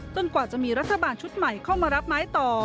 กว่าจะมีรัฐบาลชุดใหม่เข้ามารับไม้ต่อ